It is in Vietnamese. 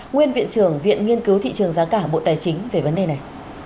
nguyên viện trưởng viện nghiên cứu thị trường giá cả bộ tài chính về vấn đề này